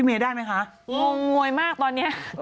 งงโงยมากตอนนี้